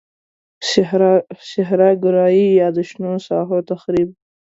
صحرا ګرایی یا د شنو ساحو تخریب.